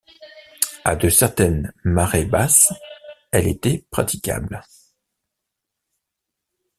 À de certaines marées basses, elle était praticable.